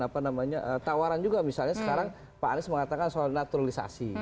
apa namanya tawaran juga misalnya sekarang pak anies mengatakan soal naturalisasi